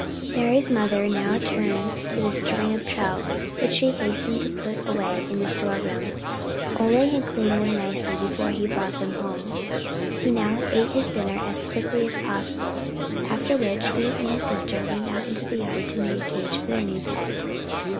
Mari's mother now turned to the string of trout which she hastened to put away in the storeroom. Ole had cleaned them nicely before he brought them home. He now ate his dinner as quickly as possible, after which he and his sister went out into the yard to make a cage for their new pet.